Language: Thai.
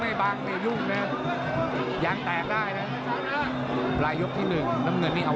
ไม่เจอหนิดนี่เดี๋ยวไปล้อนเล่นน่ะพี่ป่ะ